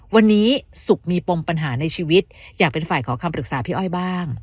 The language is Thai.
วันนี้สุขมีปมปัญหาในชีวิตอยากเป็นฝ่ายขอคำปรึกษาพี่อ้อยบ้าง